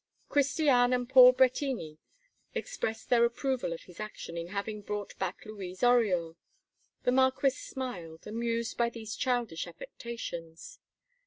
Christiane and Paul Bretigny expressed their approval of his action in having brought back Louise Oriol; the Marquis smiled, amused by these childish affectations.